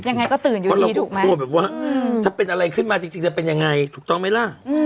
ยังไงก็ตื่นอยู่ดีถูกไหมก็เราเข้าแบบว่าถ้าเป็นอะไรขึ้นมาจริงจะเป็นอย่างไรถูกต้องไหมล่ะ